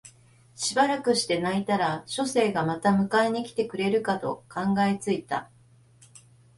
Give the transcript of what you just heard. しばらくして泣いたら書生がまた迎えに来てくれるかと考え付いた